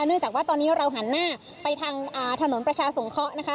เนื่องจากว่าตอนนี้เราหันหน้าไปทางถนนประชาสงเคราะห์นะคะ